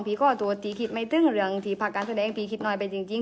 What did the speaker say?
พี่ก็ตัวตีคิดไม่ตึ้งเหลืองทีผ่าการแสดงพี่คิดหน่อยไปจริงจริง